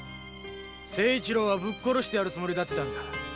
清一郎はブッ殺してやるつもりだったんだ。